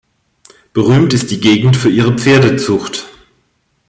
Berühmt ist die Gegend für ihre Pferdezucht.